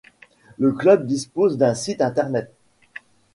Le club dispose d'un site internet.